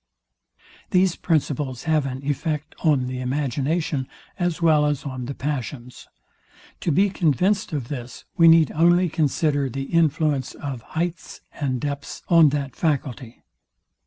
These principles have an effect on the imagination as well as on the passions. To be convinced of this we need only consider the influence of heights and depths on that faculty.